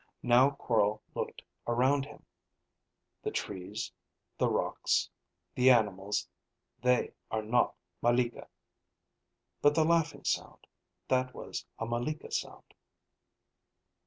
Now Quorl looked around him. "The trees, the rocks, the animals, they are not malika. But the laughing sound, that was a malika sound."